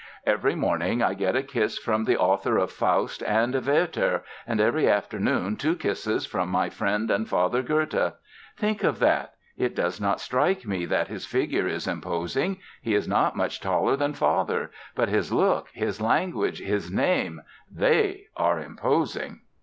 "Every morning I get a kiss from the author of 'Faust' and 'Werther' and every afternoon two kisses from my friend and father Goethe. Think of that! It does not strike me that his figure is imposing; he is not much taller than father; but his look, his language, his name—they are imposing.